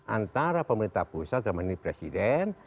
antara pemerintah pusat kemudian presiden